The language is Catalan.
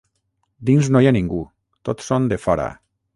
Dins no hi ha ningú: tots són defora.